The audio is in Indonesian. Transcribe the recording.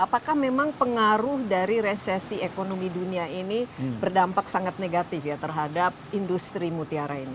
apakah memang pengaruh dari resesi ekonomi dunia ini berdampak sangat negatif ya terhadap industri mutiara ini